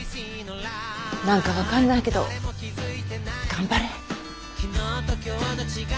何か分かんないけど頑張れ。